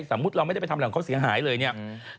สมมุติเราไม่ได้ไปทำอะไรเขาเสียหายเลย